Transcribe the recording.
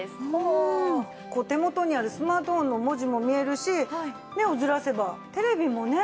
手元にあるスマートフォンの文字も見えるし目をずらせばテレビもね